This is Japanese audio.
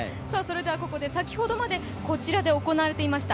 ここで先ほどまでこちらで行われていました